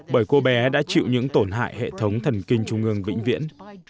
bởi cô bé đã chịu những tổn hại hệ thống thần kinh trung ương vĩnh viễn